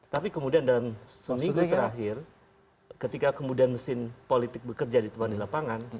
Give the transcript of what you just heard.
tapi kemudian dalam minggu terakhir ketika kemudian mesin politik bekerja di tempat di lapangan